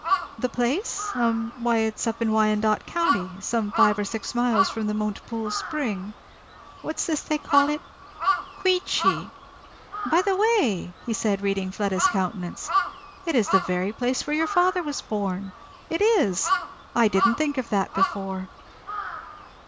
"The place? Hum why it's up in Wyandot County some five or six miles from the Montepoole Spring what's this they call it? Queechy! By the way!" said he, reading Fleda's countenance, "it is the very place where your father was born! it is! I didn't think of that before."